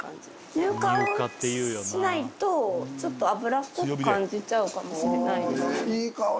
乳化をしないとちょっと油っぽく感じちゃうかもしれないです。